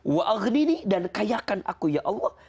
wa aghnini dan kayakan aku ya allah